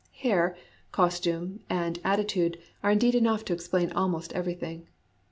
Hair, costume, and attitude are indeed enough to explain almost every thiDg.